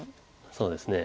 そうですね。